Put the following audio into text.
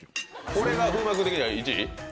これが風磨君的には１位？